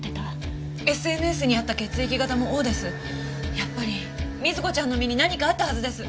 やっぱり瑞子ちゃんの身に何かあったはずです！